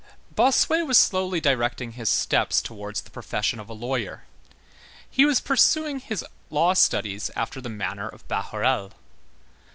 Bossuet was slowly directing his steps towards the profession of a lawyer; he was pursuing his law studies after the manner of Bahorel.